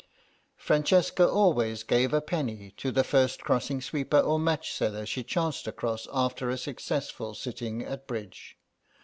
Francesca always gave a penny to the first crossing sweeper or match seller she chanced across after a successful sitting at bridge.